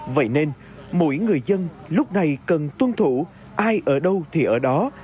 vậy nên mỗi người dân lúc này cần tuân thủ ai ở đâu thì ở đó